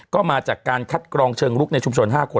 ก็มาจากการคัดกรองเชิงลุกในชุมชน๕คน